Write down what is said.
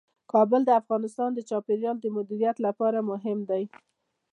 کابل د افغانستان د چاپیریال د مدیریت لپاره مهم دي.